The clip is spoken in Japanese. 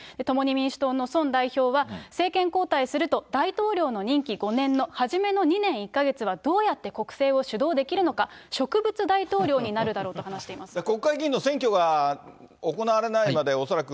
共に民主党のソン代表は、政権交代すると大統領の任期５年の初めの２年１か月はどうやって国政を主導できるのか、植物大統領になるだろうと話しています。